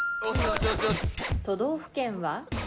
都道府県は？